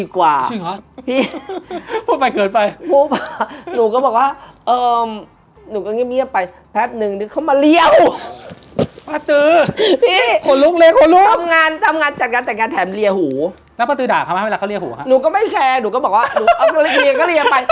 ก็มาอาบน้ำดีปะ